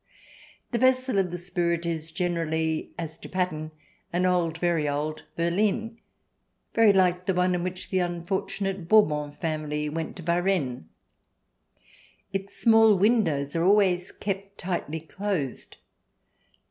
The vessel of the spirit is generally, as to pattern, an old — very old — berline, very like the one in which the unfortunate Bourbon family went to Varennes. Its small windows are always kept tightly closed.